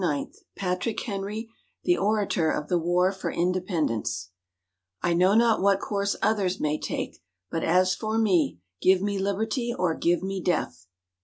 MAY 29 PATRICK HENRY THE ORATOR OF THE WAR FOR INDEPENDENCE _I know not what course others may take; but as for me, give me Liberty or give me Death!